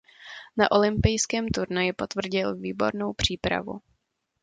Na olympijském turnaji potvrdil výbornou přípravu.